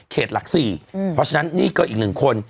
เขตหลักสี่เพราะฉะนั้นนี่ก็อีกหนึ่งคน